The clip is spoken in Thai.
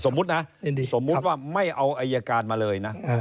นะสมมุติว่าไม่เอาอายการมาเลยนะ